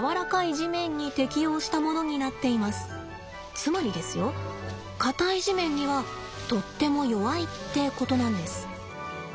つまりですよ硬い地面にはとっても弱いってことなんです。